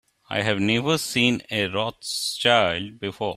I have never seen a Rothschild before.